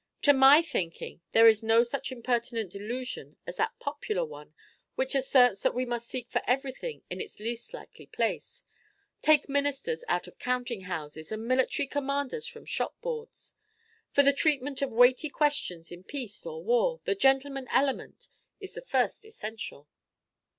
To my thinking, there is no such impertinent delusion as that popular one which asserts that we must seek for everything in its least likely place, take ministers out of counting houses, and military commanders from shop boards. For the treatment of weighty questions in peace or war, the gentleman element is the first essential."